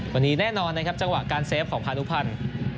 วันนี้แน่นอนนะครับจังหวะการเซฟของพานุพันธ์